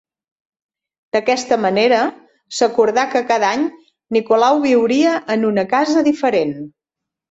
D'aquesta manera, s'acordà que cada any Nicolau viuria en una casa diferent.